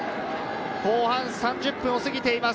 後半３０分を過ぎています。